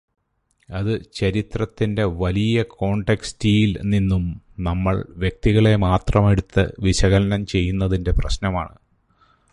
അതു ചരിത്രത്തിന്റെ വലിയ കോണ്ടക്സ്റ്റീല് നിന്നും നമ്മള് വ്യക്തികളെ മാത്രമെടുത്ത് വിശകലനം ചെയ്യുന്നതിന്റെ പ്രശ്നമാണ്.